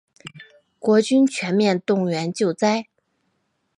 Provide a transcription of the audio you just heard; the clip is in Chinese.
国军全面动员救灾